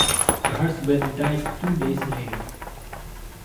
Her husband died two days later.